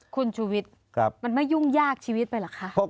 คุณชูวิทย์มันไม่ยุ่งยากชีวิตไปเหรอคะ